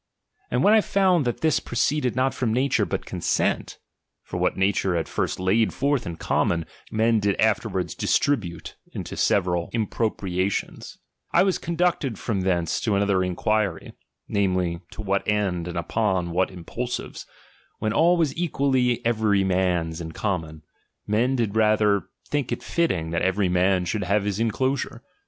And when I found that this proceeded not from nature, but consent ; (for what nature at first laid forth in common, men did after wards distribute into several impropriations) j I was conducted from thence to another inquiry ; namely, to what end and upon what impulsives, when all was equally every man's in common, mea. did rather think it fitting that every man should have his inclosure.